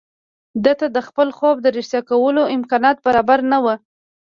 ده ته د خپل خوب د رښتيا کولو امکانات برابر نه وو.